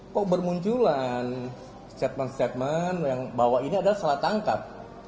kok bermunculan statement statement yang bahwa ini adalah salah tangkap